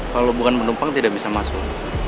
kalau bukan penumpang tidak bisa masuk